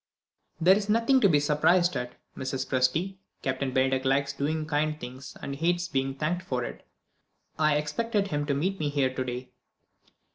"There's nothing to be surprised at, Mrs. Presty. Captain Bennydeck likes doing kind things, and hates being thanked for it. I expected him to meet me here to day."